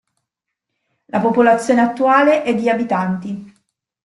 La popolazione attuale è di abitanti.